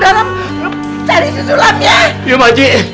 aku sampai pun lama lagi